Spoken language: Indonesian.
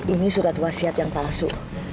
ini surat wasiat yang palsu